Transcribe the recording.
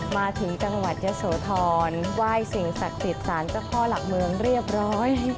มาถึงจังหวัดเยอะโสธรว่ายสิงห์ศักดิ์ศาลเจ้าพ่อหลักเมืองเรียบร้อย